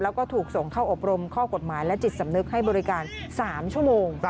แล้วก็ถูกส่งเข้าอบรมข้อกฎหมายและจิตสำนึกให้บริการ๓ชั่วโมง